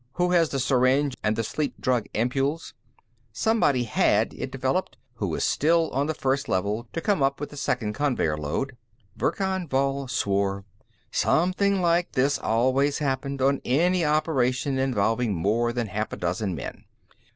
Who has the syringe and the sleep drug ampoules?" Somebody had, it developed, who was still on the First Level, to come up with the second conveyer load. Verkan Vall swore. Something like this always happened, on any operation involving more than half a dozen men.